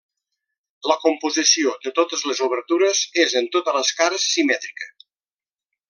La composició de totes les obertures és en totes les cares, simètrica.